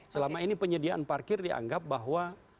selama ini penyediaan parkir dianggap bahwa